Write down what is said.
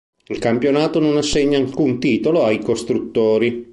Il Campionato non assegna alcun titolo ai costruttori.